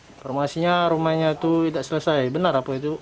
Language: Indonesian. informasinya rumahnya itu tidak selesai benar apa itu